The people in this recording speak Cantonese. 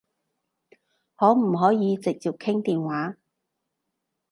可唔可以直接傾電話？